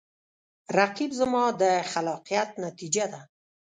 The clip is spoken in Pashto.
رقیب زما د خلاقیت نتیجه ده